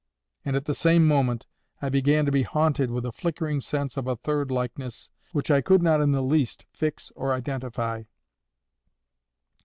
And at the same moment I began to be haunted with a flickering sense of a third likeness which I could not in the least fix or identify.